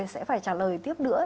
sẽ phải trả lời tiếp nữa